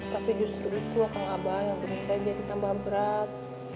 tapi justru itu akan abang yang bikin saya jadi tambah berat